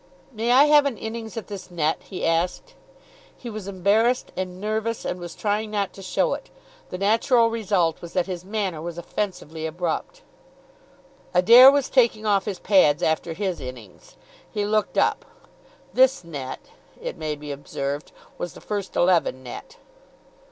"May I have an innings at this net?" he asked. He was embarrassed and nervous, and was trying not to show it. The natural result was that his manner was offensively abrupt. Adair was taking off his pads after his innings. He looked up. "This net," it may be observed, was the first eleven net.